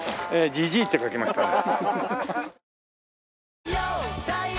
「じじぃ」って書きましたね。